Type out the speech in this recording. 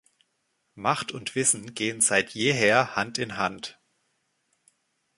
Macht und Wissen gehen seit jeher Hand in Hand.